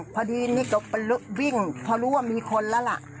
พอดีนี่ก็วิ่งพอรู้ว่ามีคนแล้วล่ะ